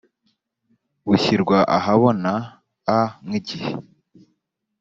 bushyirwa ahabona a nk igihe